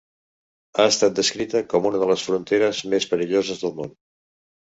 Ha estat descrita com una de les fronteres més perilloses del món.